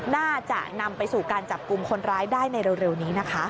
น่าจะนำไปสู่การจับกลุ่มคนร้ายได้ในเร็วนี้นะคะ